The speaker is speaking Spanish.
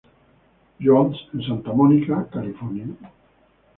John's, en Santa Monica, California.